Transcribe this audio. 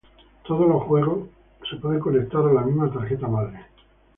Todos los juegos pueden ser conectados a la misma tarjeta madre.